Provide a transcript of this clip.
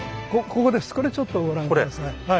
これちょっとご覧下さい。